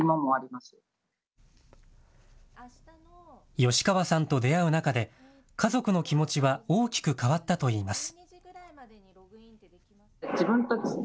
吉川さんと出会う中で家族の気持ちは大きく変わったといいます。